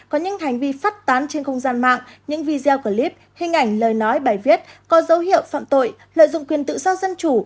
có những hành vi phát tán trên không gian mạng những video clip hình ảnh lời nói bài viết có dấu hiệu phạm tội lợi dụng quyền tự do dân chủ